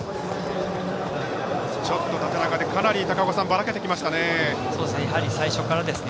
ちょっと縦長でかなり、ばらけてきましたね。